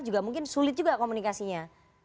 juga mungkin sulit juga komunikasinya